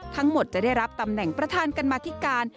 ทั้งหมดจะได้รับตำแหน่งประธานกรรมธิการ